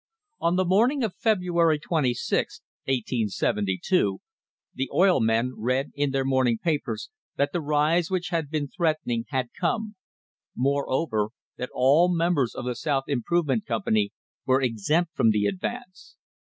f On the morning of February 26, 1872, the oil men read in their morning papers that the rise which had been threatening had come; moreover, that all members of the South Improve ment Company were exempt from the advance.